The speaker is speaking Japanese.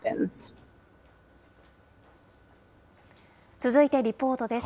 続いてリポートです。